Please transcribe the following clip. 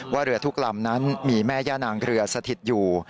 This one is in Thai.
เรือทุกลำนั้นมีแม่ย่านางเรือสถิตอยู่